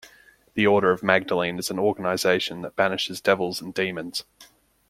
The Order of Magdalene is an organization that banishes devils and demons.